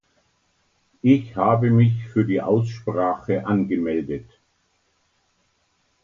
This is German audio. Ich habe mich für die Aussprache angemeldet.